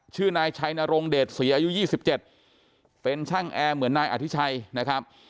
ชื่อนายชัยนรงเดชศรีอายุ๒๗เป็นช่างแอร์เหมือนนายอธิชัยนะครับ